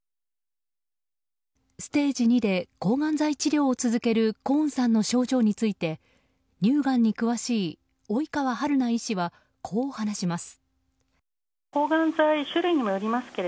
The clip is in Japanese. ステージ２で抗がん剤治療を続けるコーンさんの症状について乳がんに詳しい及川明奈医師はこう話します。